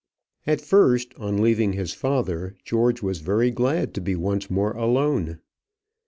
At first, on leaving his father, George was very glad to be once more alone.